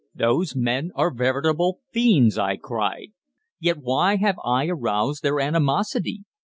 "Those men are veritable fiends," I cried. "Yet why have I aroused their animosity?